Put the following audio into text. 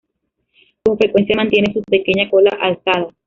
Con frecuencia mantiene su pequeña cola alzada.